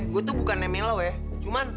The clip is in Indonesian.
gue tuh bukannya milo ya